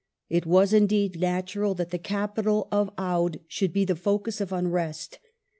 It was indeed natural that the capital of Oudh should be the focus of unrest.